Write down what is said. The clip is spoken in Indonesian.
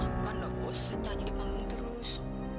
bukan dong bosan nyanyi di panggung terus